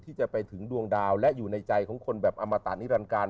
ที่จะไปถึงดวงดาวและอยู่ในใจของคนแบบอมตะนิรันการ